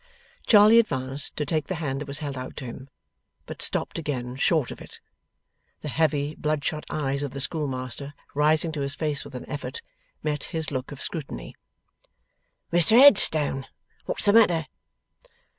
Charley advanced to take the hand that was held out to him; but stopped again, short of it. The heavy, bloodshot eyes of the schoolmaster, rising to his face with an effort, met his look of scrutiny. 'Mr Headstone, what's the matter?